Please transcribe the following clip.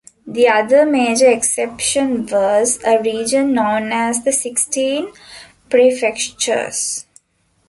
The other major exception was a region known as the Sixteen Prefectures.